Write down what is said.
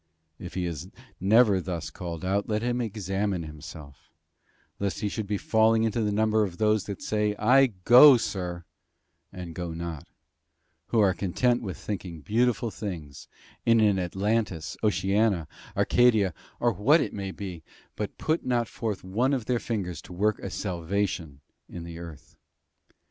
If he is never thus called out, let him examine himself, lest he should be falling into the number of those that say, "I go, sir," and go not; who are content with thinking beautiful things in an Atlantis, Oceana, Arcadia, or what it may be, but put not forth one of their fingers to work a salvation in the earth.